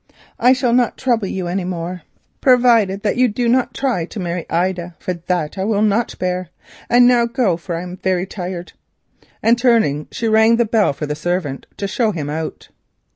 I shall not trouble you any more, provided that you do not try to marry Ida, for that I will not bear. And now go, for I am very tired," and turning, she rang the bell for the servant to show him out.